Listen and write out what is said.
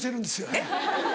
えっ？